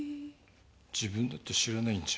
自分だって知らないんじゃん。